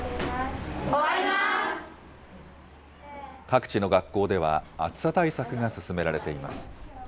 各地の学校では、暑さ対策が進められています。